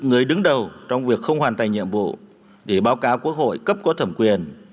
người đứng đầu trong việc không hoàn thành nhiệm vụ để báo cáo quốc hội cấp có thẩm quyền